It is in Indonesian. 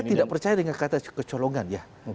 saya tidak percaya dengan kata kecolongan ya